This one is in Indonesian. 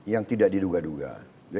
yang tidak diduga duga